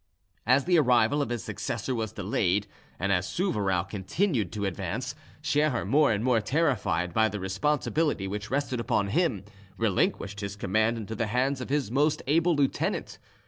As the arrival of his successor was delayed, and as Souvarow continued to advance, Scherer, more and more terrified by the responsibility which rested upon him, relinquished his command into the hands of his most able lieutenant.